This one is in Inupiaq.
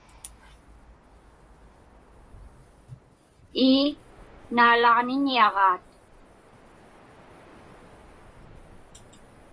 Ii, naalaġniñiaġaat.